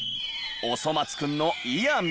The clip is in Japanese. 『おそ松くん』のイヤミ。